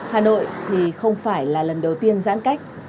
hà nội thì không phải là lần đầu tiên giãn cách